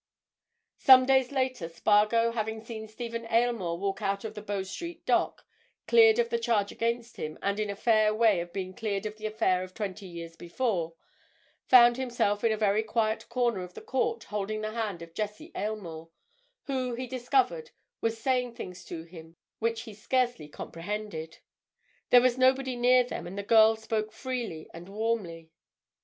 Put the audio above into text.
Some days later, Spargo, having seen Stephen Aylmore walk out of the Bow Street dock, cleared of the charge against him, and in a fair way of being cleared of the affair of twenty years before, found himself in a very quiet corner of the Court holding the hand of Jessie Aylmore, who, he discovered, was saying things to him which he scarcely comprehended. There was nobody near them and the girl spoke freely and warmly.